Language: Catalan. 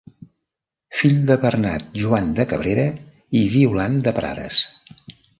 Fill de Bernat Joan de Cabrera i Violant de Prades.